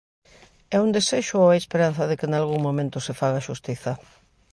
É un desexo ou hai esperanza de que nalgún momento se faga xustiza?